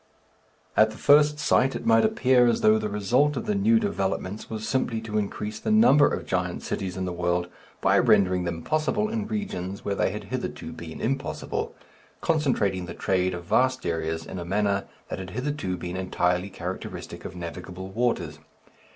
At the first sight it might appear as though the result of the new developments was simply to increase the number of giant cities in the world by rendering them possible in regions where they had hitherto been impossible concentrating the trade of vast areas in a manner that had hitherto been entirely characteristic of navigable waters.